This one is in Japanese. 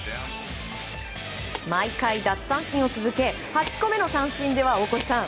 毎回、奪三振を続け８個目の三振では大越さん